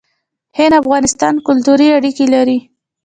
هند او افغانستان کلتوري اړیکې لري.